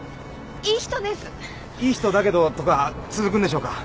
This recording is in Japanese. いい人だけどとか続くんでしょうか？